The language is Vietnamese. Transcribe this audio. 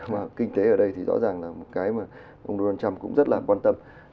mà kinh tế ở đây thì rõ ràng là một cái mà ông donald trump cũng rất là quan tâm